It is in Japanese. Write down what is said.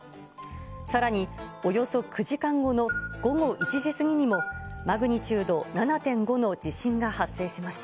さらにおよそ９時間後の午後１時過ぎにも、マグニチュード７．５の地震が発生しました。